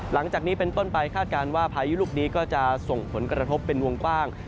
หลังจากนี้เป็นต้นไปคาดการณ์ว่าพายุลูกนี้ก็จะส่งผลกระทบเป็นวงกว้าง